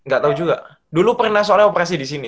gak tau juga dulu pernah soalnya operasi disini